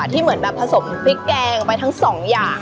ที่เหมือนแบบผสมพริกแกงไปทั้งสองอย่าง